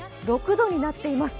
６度になっています。